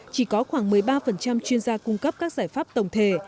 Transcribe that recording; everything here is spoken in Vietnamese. chỉ có khoảng một mươi ba chuyên gia cung cấp các giải pháp tổng thể